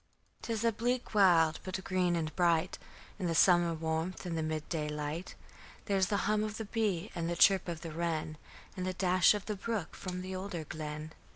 'Tis a bleak wild, but green and bright In the summer warmth and the mid day light, There's the hum of the bee and the chirp of the wren, And the dash of the brook from the older glen.